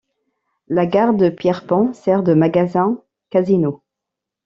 La gare de Pierrepont sert de magasin Casino.